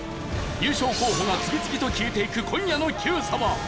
優勝候補が次々と消えていく今夜の『Ｑさま！！』。